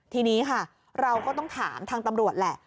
ทีนี้ค่ะเราก็ต้องถามทางตำรวจแหละ